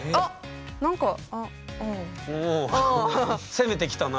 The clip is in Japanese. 攻めてきたな。